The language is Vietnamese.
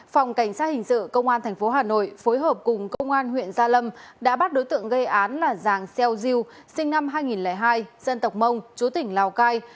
phòng cảnh sát hình sự công an tp hà nội phối hợp cùng công an huyện gia lâm đã bắt đối tượng gây án là giàng xeo diêu sinh năm hai nghìn hai dân tộc mông chú tỉnh lào cai